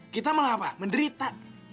kita malah apa menderita